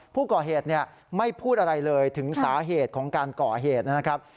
ผู้ก่อเหตุไม่พูดอะไรเลยถึงสาเหตุของการก่อเหตุนะครับ